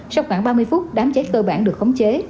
sau khoảng ba mươi phút đám cháy cơ bản được khống chế